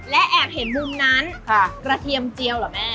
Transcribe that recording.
และแอบเห็นมุมนั้นกระเทียมเจียวเหรอแม่